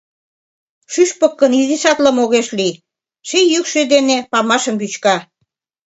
Шӱшпык гын изишат лым огеш лий, ший йӱкшӧ дене памашым вӱчка.